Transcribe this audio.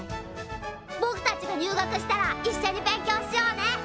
ぼくたちが入学したらいっしょに勉強しようね！